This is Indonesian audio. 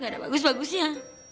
gak ada bagus bagusnya